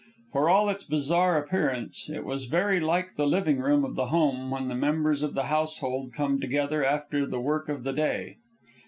For all its bizarre appearance, it was very like the living room of the home when the members of the household come together after the work of the day.